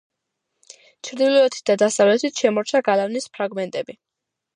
ჩრდილოეთით და დასავლეთით შემორჩა გალავნის ფრაგმენტები.